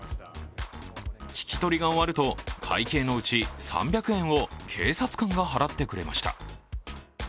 聞き取りが終わると、会計のうち３００円を警察官が払ってくれました。